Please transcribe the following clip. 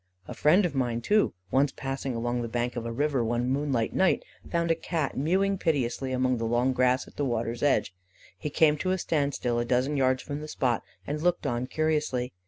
A friend of mine, too, once passing along the bank of a river one moonlight night found a Cat mewing piteously among the long grass at the water's edge. He came to a stand still a dozen yards from the spot, and looked on curiously.